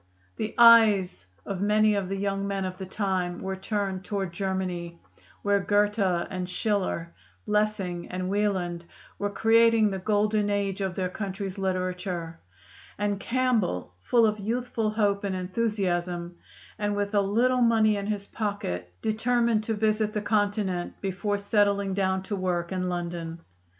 '" The eyes of many of the young men of the time were turned toward Germany, where Goethe and Schiller, Lessing and Wieland, were creating the golden age of their country's literature; and Campbell, full of youthful hope and enthusiasm, and with a little money in his pocket, determined to visit the Continent before settling down to work in London.